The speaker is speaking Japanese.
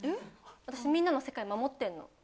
私みんなの世界守ってるの。